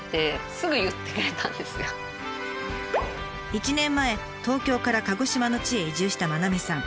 １年前東京から鹿児島の地へ移住した愛さん。